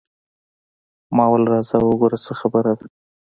مالې راځه وګوره څه خبره ده.